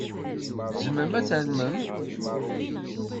Tzemrem ad tarmem?